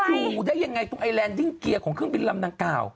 อยู่ได้ยังไงตรงไอแลนดิ้งเกียร์ของเครื่องบินลำดังกล่าว